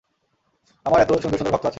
আমার এত সুন্দর সুন্দর ভক্ত আছে!